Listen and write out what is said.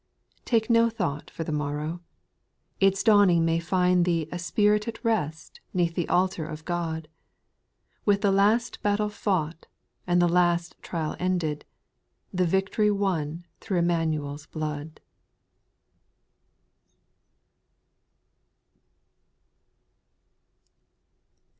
4. " Take no thought for the morrow," its dawn ing may find thee A spirit at rest 'neath the altar of God, With the last battle fought, and the last trial ended. The victory won through EmmanueFs blood.